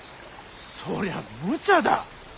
そりゃむちゃだ。